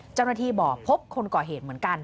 เจ้าหน้าที่บอกพบคนก่อเหตุเหมือนกัน